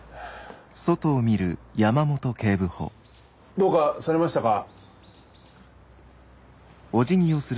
どうかされましたか？